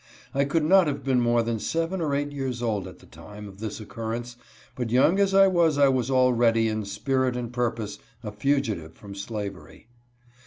I could not have been more than seven or eight years old atNthe time of this occurrence, but young as I was I was already, in» spirit and purpose, a fugitive from slavery.